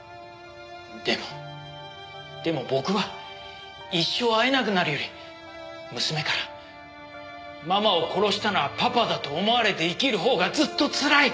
でもでも僕は一生会えなくなるより娘からママを殺したのはパパだと思われて生きるほうがずっとつらい！